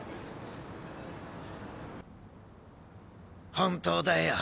本当だよ。